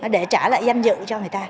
để trả lại danh dự cho người ta